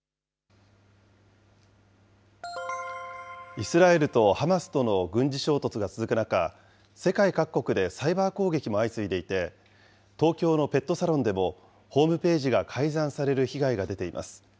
イスラエルとハマスとの軍事衝突が続く中、世界各国でサイバー攻撃も相次いでいて、東京のペットサロンでもホームページが改ざんされる被害が出ています。